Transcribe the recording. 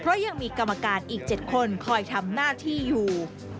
เพราะยังมีกรรมการอีก๗คนคอยทำหน้าที่อยู่